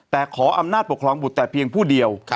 แต่ขออำนาจปกครองบุตรแต่เพียงผู้เดียว